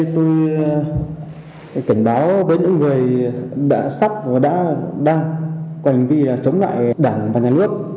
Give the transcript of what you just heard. tôi cảnh báo với những người đã sắp và đã đang có hành vi chống lại đảng và nhà nước